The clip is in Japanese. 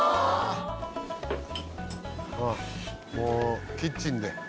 ああもうキッチンで。